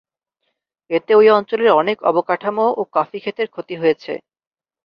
এতে ওই অঞ্চলের অনেক অবকাঠামো ও কফিখেতের ক্ষতি হয়েছে।